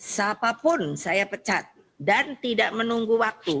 siapapun saya pecat dan tidak menunggu waktu